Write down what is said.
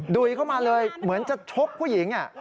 ุยเข้ามาเลยเหมือนจะชกผู้หญิง